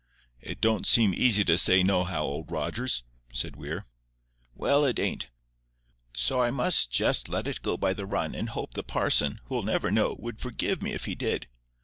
"It don't seem easy to say no how, Old Rogers," said Weir. "Well, it ain't. So I must just let it go by the run, and hope the parson, who'll never know, would forgive me if he did."